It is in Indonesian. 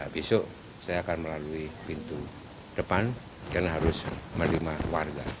besok saya akan melalui pintu depan dan harus menerima warga